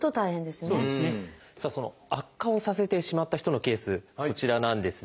悪化をさせてしまった人のケースこちらなんですね。